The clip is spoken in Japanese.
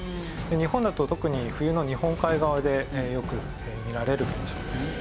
日本だと特に冬の日本海側でよく見られる現象です。